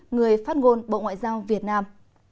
người phát ngôn bộ ngoại giao việt nam